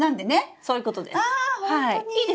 そういうことです。